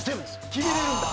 決められるんだ！